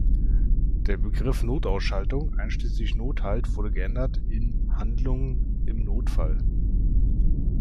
Der Begriff „Not-Ausschaltung“ einschließlich „Not-Halt“ wurde geändert in „Handlungen im Notfall“.